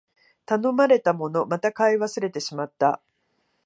頼まれたもの、また買い忘れてしまった